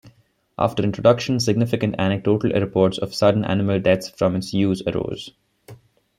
After introduction, significant anecdotal reports of sudden animal deaths from its use arose.